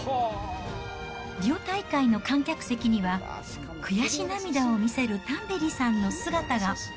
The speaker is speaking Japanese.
リオ大会の観客席には悔し涙を見せるタンベリさんの姿が。